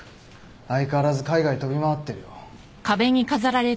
相変わらず海外飛び回ってるよ。